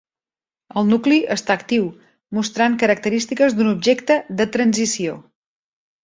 El nucli està actiu, mostrant característiques d'un objecte "de transició".